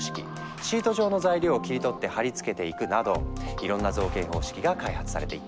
シート状の材料を切り取ってはり付けていくなどいろんな造形方式が開発されていったんだ。